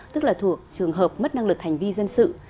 tức là thuộc trường hợp mất năng lực hành vi dân sự